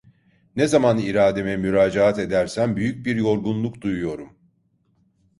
Ne zaman irademe müracaat edersem büyük bir yorgunluk duyuyorum…